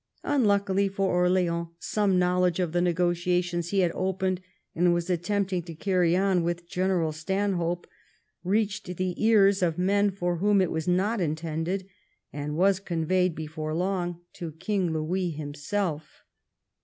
Unluckily for Orleans, some know ledge of the negotiations he had opened, and was at tempting to carry on with General Stanhope, reached the ears of men for whom it was not intended, and was conveyed before long to King Louis himself.